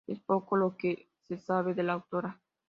Es poco lo que se sabe de la autora.